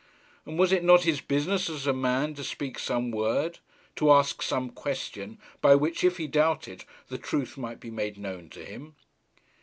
And was it not his business, as a man, to speak some word, to ask some question, by which, if he doubted, the truth might be made known to him?